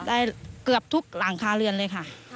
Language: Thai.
ได้เกือบทุกหลังคาเรือนเลยค่ะ